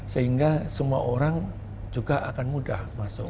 sehingga semua orang juga akan mudah masuk